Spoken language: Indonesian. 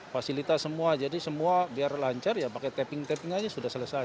fasilitas semua jadi semua biar lancar ya pakai tapping taping aja sudah selesai